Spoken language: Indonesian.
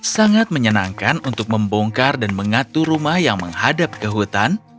sangat menyenangkan untuk membongkar dan mengatur rumah yang menghadap ke hutan